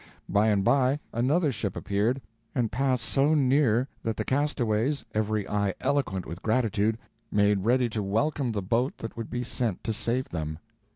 By and by another ship appeared, and passed so near that the castaways, every eye eloquent with gratitude, made ready to welcome the boat that would be sent to save them.